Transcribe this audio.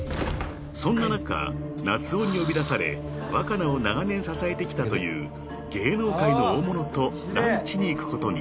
［そんな中夏雄に呼び出され若菜を長年支えてきたという芸能界の大物とランチに行くことに］